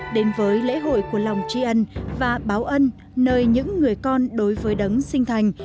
đến với lễ hội của lòng tri ân và báo ân nơi những người con đối với đấng sinh thành